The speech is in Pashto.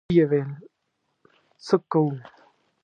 ويې ويل: څه کوو؟